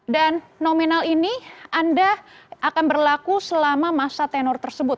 dan nominal ini anda akan berlaku selama masa tenor tersebut